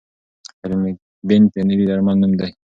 ریمیګیپینټ د نوي درمل نوم دی.